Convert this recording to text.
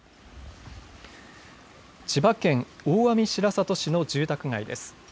千葉県大網白里市の住宅街です。